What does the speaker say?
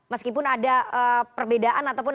meskipun ada perbedaan ataupun